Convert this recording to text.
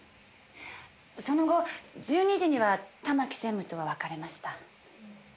その後１２時には玉木専務とは別れました。